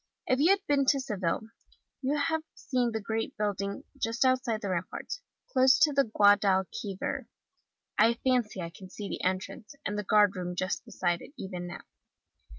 If you have been to Seville you have seen the great building, just outside the ramparts, close to the Guadalquivir; I can fancy I see the entrance, and the guard room just beside it, even now.